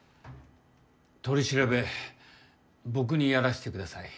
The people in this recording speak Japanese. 取り調べ僕にやらせてください。